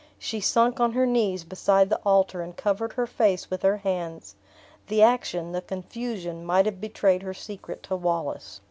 She sunk on her knees beside the altar, and covered her face with her hands. The action, the confusion might have betrayed her secret to Wallace.